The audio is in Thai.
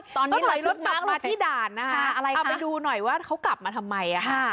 ตอนนี้ถอยรถมาที่ด่านนะคะเอาไปดูหน่อยว่าเขากลับมาทำไม